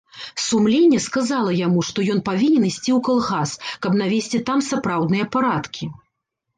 Сумленне сказала яму, што ён павінен ісці ў калгас, каб навесці там сапраўдныя парадкі.